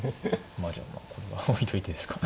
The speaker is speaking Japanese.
まあじゃあこれは置いといてですか。